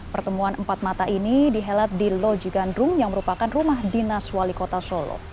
pertemuan empat mata ini dihelat di loji gandrung yang merupakan rumah dinas wali kota solo